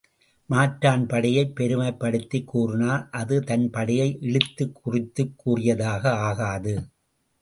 மாற்றான் படையைப் பெருமைப்படுத்திக் கூறினால் அது தன் படையை இழித்துக் குறைத்துக் கூறியதாக ஆகாது.